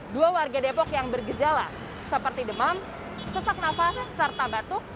dua warga depok yang bergejala seperti demam sesak nafas serta batuk